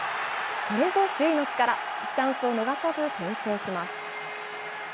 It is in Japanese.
これぞ首位の力、チャンスを逃さず先制します。